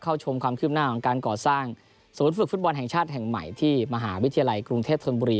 ชมความคืบหน้าของการก่อสร้างศูนย์ฝึกฟุตบอลแห่งชาติแห่งใหม่ที่มหาวิทยาลัยกรุงเทพธนบุรี